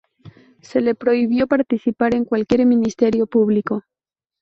Se le prohibió participar en cualquier ministerio público.